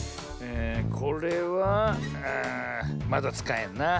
えこれはああまだつかえんなあ。